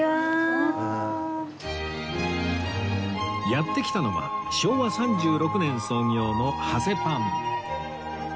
やって来たのは昭和３６年創業のハセパン